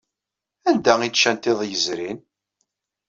Anda ay ččant iḍ yezrin?